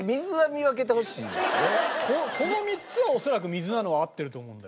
この３つは恐らく水なのは合ってると思うんだよね。